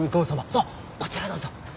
さあこちらへどうぞ。